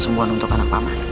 semuanya untuk anak pak man